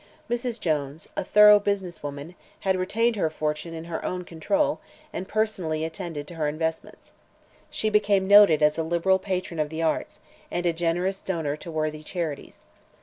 Mrs. Jones, a thorough business woman, had retained her fortune in her own control and personally attended to her investments. She became noted as a liberal patron of the arts and a generous donor to worthy charities.